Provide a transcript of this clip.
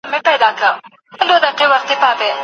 سلام اچول سنت او ځواب یې واجب دی.